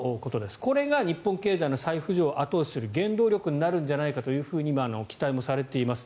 これが日本経済の再浮上を後押しする原動力になるんじゃないかと期待されています。